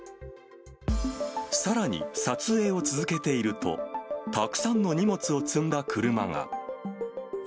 さらに、撮影を続けていると、たくさんの荷物を積んだ車が。